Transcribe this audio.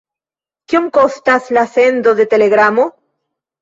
Kiom kostas la sendo de telegramo?